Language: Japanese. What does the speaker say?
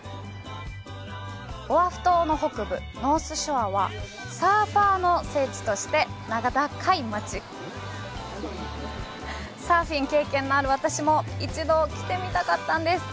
オアフ島の北部・ノースショアはサーファーの聖地として名高い町サーフィン経験のある私も一度来てみたかったんです